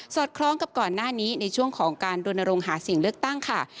อดคล้องกับก่อนหน้านี้ในช่วงของการรณรงค์หาเสียงเลือกตั้งค่ะ